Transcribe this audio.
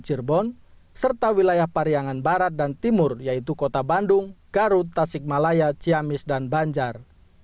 cirebon serta wilayah pariangan barat dan timur yaitu kota bandung garut tasik malaya ciamis dan banjar